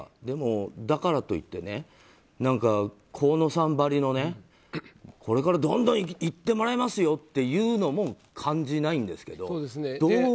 でも、だからといって河野さんばりのこれからどんどんいってもらいますよ！というのも感じないんですけど。